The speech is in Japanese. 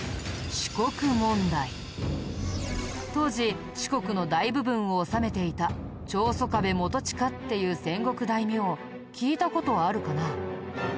当時四国の大部分を治めていた長宗我部元親っていう戦国大名聞いた事あるかな？